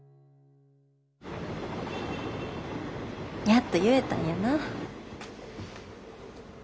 やっと言えたんやな。